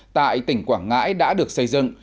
tại tỉnh quảng ngãi đã được xây dựng